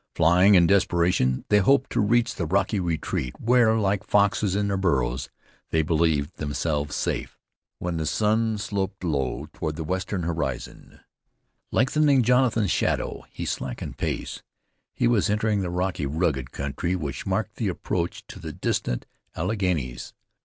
Flying in desperation, they hoped to reach the rocky retreat, where, like foxes in their burrows, they believed themselves safe. When the sun sloped low toward the western horizon, lengthening Jonathan's shadow, he slackened pace. He was entering the rocky, rugged country which marked the approach to the distant Alleghenies.